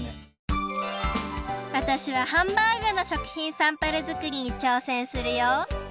わたしはハンバーグの食品サンプルづくりにちょうせんするよ